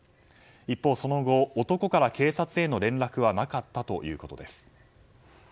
一方、その後男から警察への連絡はなかったということです。